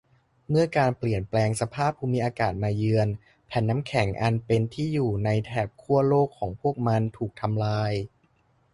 เมื่อการเปลี่ยนแปลงสภาพภูมิอากาศมาเยือน แผ่นน้ำแข็งอันเป็นที่อยู่ในแถบขั้วโลกของพวกมันถูกทำลาย